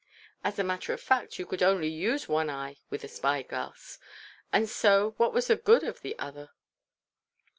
As a matter of fact, you could only use one eye with a spy glass, and so, what was the good of the other?